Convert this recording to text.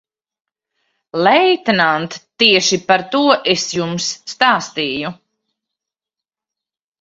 Leitnant, tieši par to es jums stāstīju.